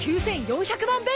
９，４００万